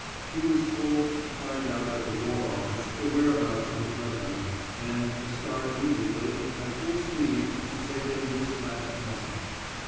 He was told to find out at the War Office the whereabouts of his regiment, and to start immediately, at full speed, to take him this last message.